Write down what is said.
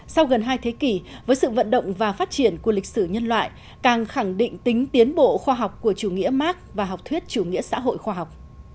sau gần hai thế kỷ với sự vận động và phát triển của lịch sử nhân loại càng khẳng định tính tiến bộ khoa học của chủ nghĩa mark và học thuyết chủ nghĩa xã hội khoa học